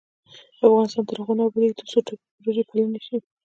افغانستان تر هغو نه ابادیږي، ترڅو ټاپي پروژه پلې نشي.